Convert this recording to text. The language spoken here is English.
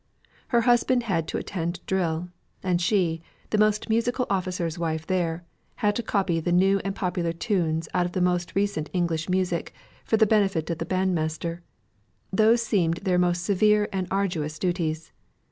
Her husband had to attend drill, and she, the most musical officer's wife there, had to copy the new and popular tunes out of the most recent English music, for the benefit of the bandmaster; those seemed their most severe and arduous duties.